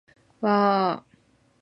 わああああ